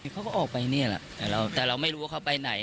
เขาก็ออกไปนี่แหละแต่เราไม่รู้ว่าเขาไปไหน